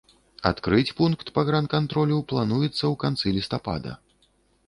Адкрыць пункт пагранкантролю плануецца ў канцы лістапада.